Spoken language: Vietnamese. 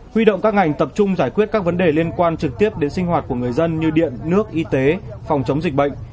huy động các ngành tập trung giải quyết các vấn đề liên quan trực tiếp đến sinh hoạt của người dân như điện nước y tế phòng chống dịch bệnh